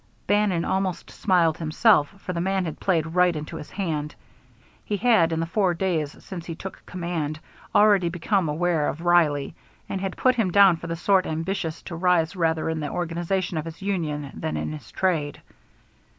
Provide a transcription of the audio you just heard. Bannon almost smiled himself, for the man had played right into his hand. He had, in the four days since he took command, already become aware of Reilly and had put him down for the sort ambitious to rise rather in the organization of his union than in his trade.